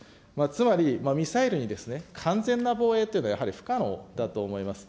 つまりミサイルに完全な防衛というのはやはり不可能だと思います。